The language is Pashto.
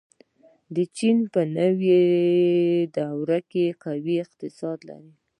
چین په نوې دور کې قوي اقتصاد لري.